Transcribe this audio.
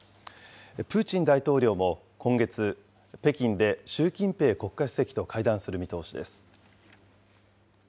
プーチン大統領も今月、北京で習近平国家主席と会談する見通しです。